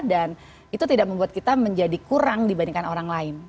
dan itu tidak membuat kita menjadi kurang dibandingkan orang lain